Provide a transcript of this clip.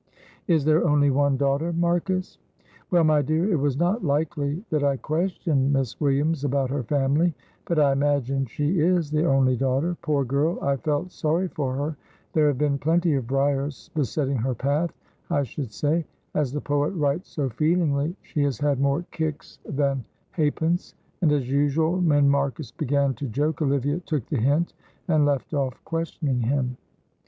"Is there only one daughter, Marcus?" "Well, my dear, it was not likely that I questioned Miss Williams about her family, but I imagine she is the only daughter; poor girl, I felt sorry for her; there have been plenty of briers besetting her path, I should say; as the poet writes so feelingly, she has had more kicks than halfpence," and as usual, when Marcus began to joke, Olivia took the hint and left off questioning him.